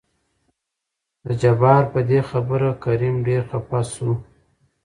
د جبار په دې خبره کريم ډېر خپه شو.